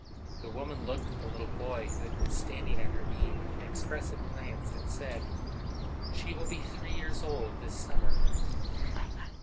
The woman looked at the little boy who had been standing at her knee, with an expressive glance, and said, "She will be three years old this summer."